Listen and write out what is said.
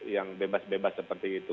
yang bebas bebas seperti itu